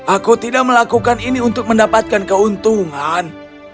aku tidak melakukan ini untuk mendapatkan keuntungan